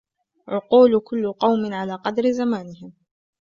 عقول كل قوم على قَدْرِ زمانهم